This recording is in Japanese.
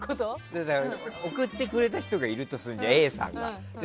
送ってくれた人がいるとしてＡさんが。